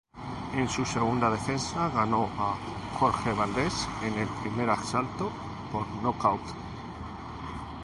En su segunda defensa ganó a Jorge Valdes en el primer asalto por nocaut.